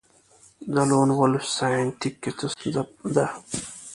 د لون وولف ساینتیک کې څه ستونزه ده